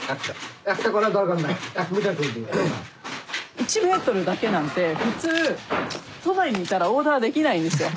１ｍだけなんて普通都内にいたらオーダーできないんですよ。